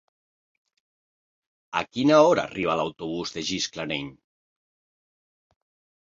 A quina hora arriba l'autobús de Gisclareny?